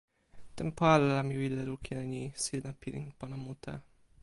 tenpo ale la mi wile lukin e ni: sina pilin pona mute.